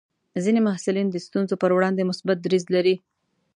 ځینې محصلین د ستونزو پر وړاندې مثبت دریځ لري.